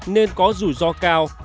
nên có rủi ro cao